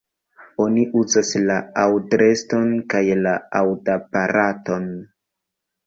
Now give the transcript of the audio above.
Oni uzas la aŭdreston kaj la aŭdaparaton.